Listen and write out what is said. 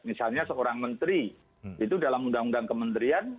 misalnya seorang menteri itu dalam undang undang kementerian